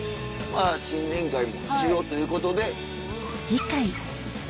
新年会しようということで。